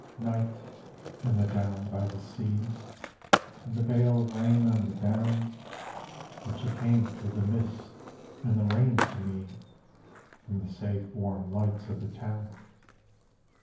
NIGHT, and the down by the sea, And the veil of rain on the down; And she came through the mist and the rain to me From the safe warm lights of the town.